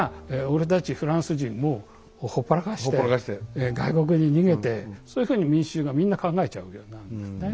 俺たちフランス人をほっぽらかして外国に逃げてそういうふうに民衆がみんな考えちゃうようになるんですね。